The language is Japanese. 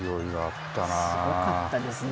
すごかったですね。